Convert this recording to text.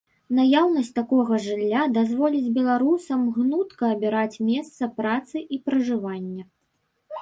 Наяўнасць такога жылля дазволіць беларусам гнутка абіраць месца працы і пражывання.